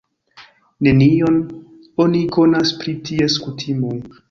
Nenion oni konas pri ties kutimoj.